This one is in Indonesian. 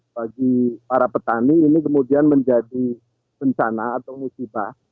bagi para petani ini kemudian menjadi bencana atau musibah